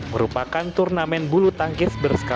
merupakan turnamen bulu tangkisnya